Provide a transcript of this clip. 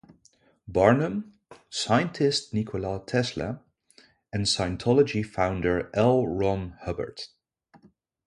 Barnum, scientist Nikola Tesla and Scientology founder L. Ron Hubbard.